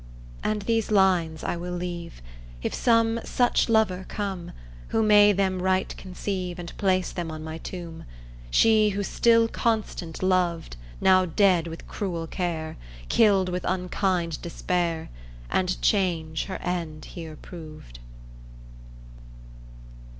And these lines I will leave If some such lover come Who may them right conceive, And place them on my tomb: "She who still constant loved Now dead with cruel care Killed with unkind despair, And change, her end here proved".'